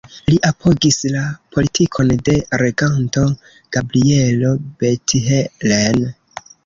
Li apogis la politikon de reganto Gabrielo Bethlen.